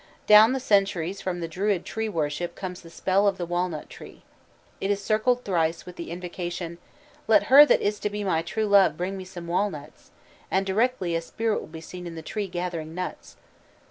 Down the centuries from the Druid tree worship comes the spell of the walnut tree. It is circled thrice, with the invocation: "Let her that is to be my true love bring me some walnuts;" and directly a spirit will be seen in the tree gathering nuts.